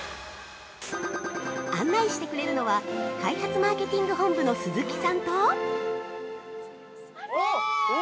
案内してくれるのは開発マーケティング本部の鈴木さんと◆おお！